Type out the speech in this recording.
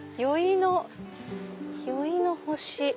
「宵の星」。